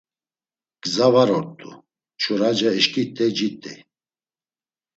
Gza var ort̆u, Mçuraca eşǩit̆ey cit̆ey.